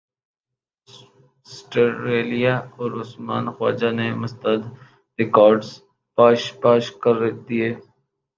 سٹریلیا اور عثمان خواجہ نے متعدد ریکارڈز پاش پاش کر دیے